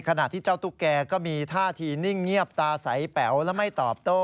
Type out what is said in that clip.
ขณะที่เจ้าตุ๊กแกก็มีท่าทีนิ่งเงียบตาใสแป๋วและไม่ตอบโต้